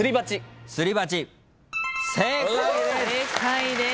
正解です。